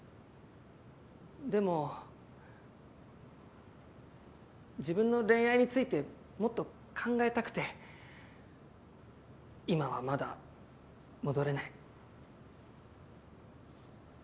でも自分の恋愛についてもっと考えたくて今はまだ戻れない。